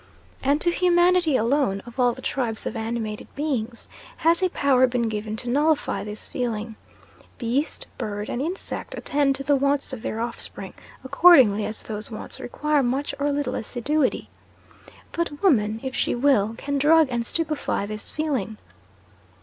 And to humanity alone, of all the tribes of animated beings, has a power been given to nullify this feeling. Beast, bird, and insect, attend to the wants of their offspring, accordingly as those wants require much or little assiduity. But woman, if she will, can drug and stupefy this feeling.